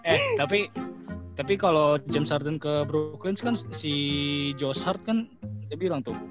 eh tapi kalau james harden ke brooklyn si joe harden kan dia bilang tuh